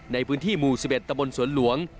ในพื้นที่หมู่๑๑ตะบนสวนหลวง